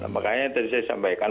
makanya tadi saya sampaikan